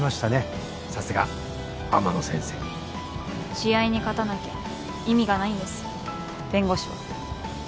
試合に勝たなきゃ意味がないんです弁護士は。